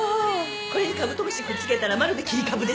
これにカブトムシくっつけたらまるで切り株ですね。